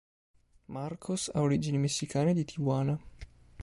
Marcos ha origini messicane di Tijuana.